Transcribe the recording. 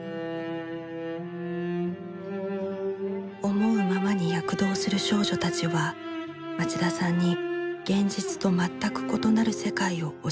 思うままに躍動する少女たちは町田さんに現実と全く異なる世界を教えてくれた。